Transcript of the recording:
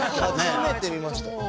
初めて見ました。